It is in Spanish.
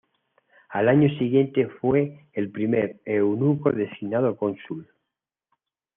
Al año siguiente fue el primer eunuco designado cónsul.